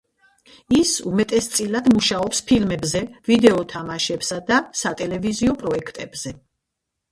ის უმეტესწილად მუშაობს ფილმებზე, ვიდეო თამაშებსა და სატელევიზიო პროექტებზე.